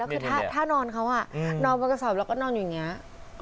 แล้วคือถ้านอนเขาอ่ะนอนกระสอบแล้วก็นอนอยู่อย่างเนี้ย